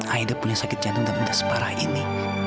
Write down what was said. aida punya sakit jantung yang takut separah ini